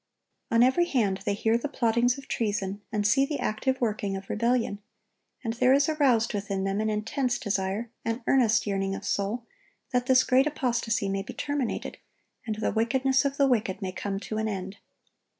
On every hand they hear the plottings of treason, and see the active working of rebellion; and there is aroused within them an intense desire, an earnest yearning of soul, that this great apostasy may be terminated, and the wickedness of the wicked may come to an end.